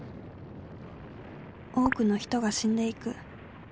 多くの人が死んでいく。